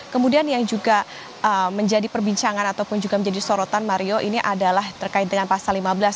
kemudian yang juga menjadi perbincangan ataupun juga menjadi sorotan mario ini adalah terkait dengan pasal lima belas